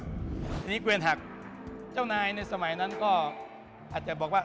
ทีนี้เกวียนหักเจ้านายในสมัยนั้นก็อาจจะบอกว่า